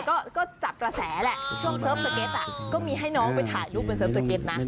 ก็จับกระแสแหละช่วงเสิร์ฟสเก็ตก็มีให้น้องไปถ่ายรูปเป็นเสิร์ฟสเก็ตนะ